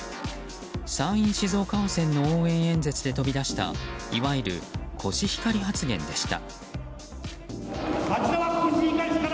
参院静岡補選の応援演説で飛び出したいわゆるコシヒカリ発言でした。